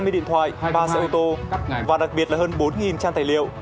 hai mươi điện thoại ba xe ô tô và đặc biệt là hơn bốn trang tài liệu